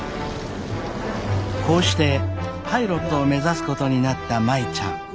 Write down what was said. こうしてパイロットを目指すことになった舞ちゃん。